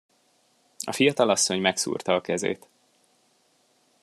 A fiatalasszony megszúrta a kezét.